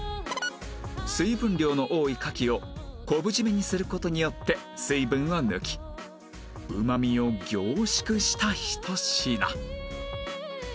水分量の多い牡蠣を昆布締めにする事によって水分を抜きうまみを凝縮したひと品